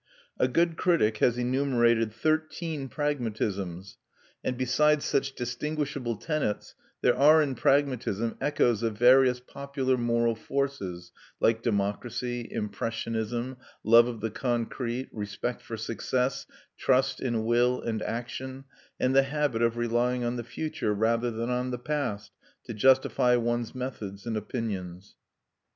A good critic has enumerated "Thirteen Pragmatisms;" and besides such distinguishable tenets, there are in pragmatism echoes of various popular moral forces, like democracy, impressionism, love of the concrete, respect for success, trust in will and action, and the habit of relying on the future, rather than on the past, to justify one's methods and opinions.